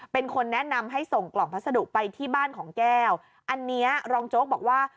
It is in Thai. เป็นคนแนะนำให้ส่งกล่องพัสดุไปที่บ้านของแก้วอันนี้รองโจ๊กบอกว่า